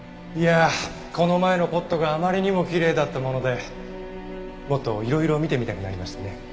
いやあこの前のポットがあまりにもきれいだったものでもっといろいろ見てみたくなりましてね。